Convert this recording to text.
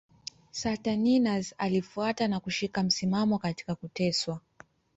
Saturninus alifuata na kushika msimamo katika kuteswa.